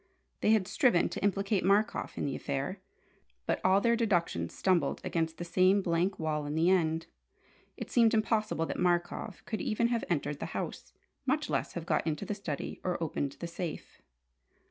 They had striven to implicate Markoff in the affair, but all their deductions stumbled against the same blank wall in the end. It seemed impossible that Markoff could even have entered the house, much less have got into the study or opened the safe.